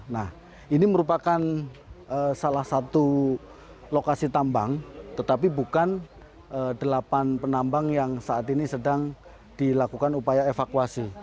nah ini merupakan salah satu lokasi tambang tetapi bukan delapan penambang yang saat ini sedang dilakukan upaya evakuasi